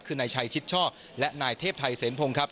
คือนายชัยชิดชอบและนายเทพไทยเสนพงศ์ครับ